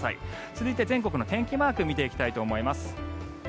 続いて全国の天気マーク見ていきたいと思います。